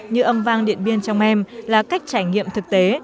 như âm vang điện biên trong em là cách trải nghiệm thực tế